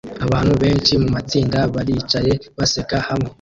Abantu benshi mumatsinda baricaye baseka hamwe